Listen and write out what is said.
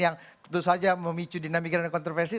yang tentu saja memicu dinamika dan kontroversi